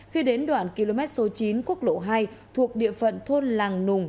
khi đến đoạn km số chín quốc lộ hai thuộc địa phận thôn làng nùng